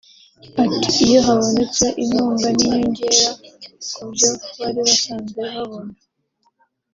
Ati "Iyo habonetse inkunga ni inyongera kubyo bari basanzwe babona